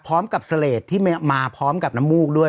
สำหรับเสลดที่มาพร้อมกับน้ำมูกด้วย